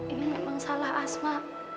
ini memang salah asma